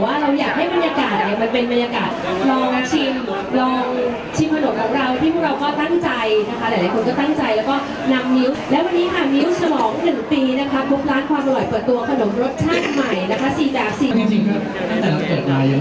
เชิญกระโภงกระไหลนะคะตอนนี้อย่างวันนี้ตรงนี้แขนรับเชิญพิเศษนะคะ